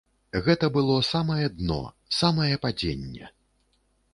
Гэта было самае дно, самае падзенне.